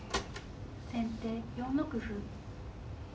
先手４六歩。